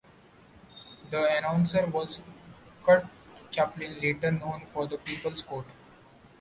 The announcer was Curt Chaplin, later known for The People's Court.